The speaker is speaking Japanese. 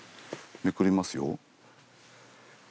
めくりますよ？